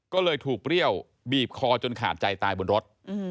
ก็เลยถูกเปรี้ยวบีบคอจนขาดใจตายบนรถ